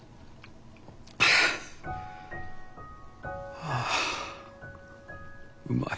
はあはあうまい。